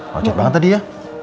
wajit banget tadi ya